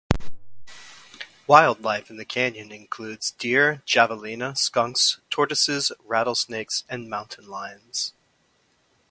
Wildlife in the canyon includes deer, javelina, skunks, tortoises, rattlesnakes and mountain lions.